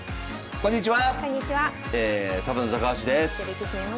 こんにちは。